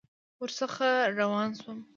ورڅخه روان شوم.